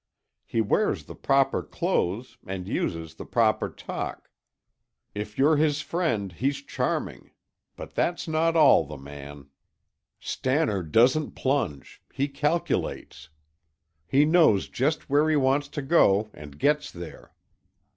He wears the proper clothes and uses the proper talk. If you're his friend, he's charming; but that's not all the man. Stannard doesn't plunge; he calculates. He knows just where he wants to go and gets there.